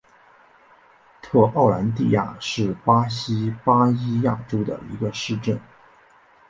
特奥兰迪亚是巴西巴伊亚州的一个市镇。